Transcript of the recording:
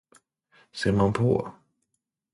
Ser man på!